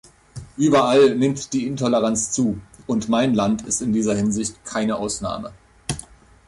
Überall nimmt die Intoleranz zu, und mein Land ist in dieser Hinsicht keine Ausnahme.